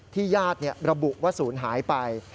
ที่ญาติระบุว่าสูญหายไป